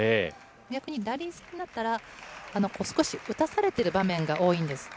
逆にラリー戦だったら、少し打たされてる場面が多いんです。